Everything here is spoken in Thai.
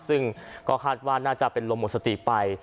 ซึ่งก็คาดว่าน่าจะเป็นลมหมดสติไป